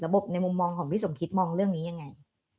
ในมุมมองของพี่สมคิดมองเรื่องนี้ยังไง